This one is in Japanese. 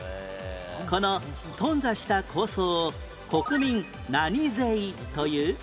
この頓挫した構想を国民何税という？